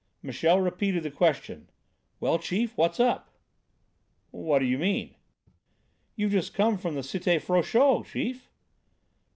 Michel repeated the question: "Well, chief, what's up?" "What do you mean?" "You've just come from the Cité Frochot, chief?"